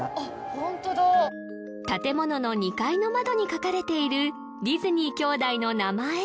ホントだ建物の２階の窓に書かれているディズニー兄弟の名前